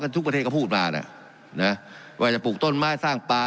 ทุกประเทศก็พูดมานะว่าจะปลูกต้นไม้สร้างปลา